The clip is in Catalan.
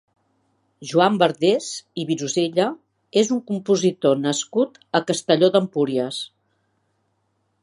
Joan Bardés i Virosella és un compositor nascut a Castelló d'Empúries.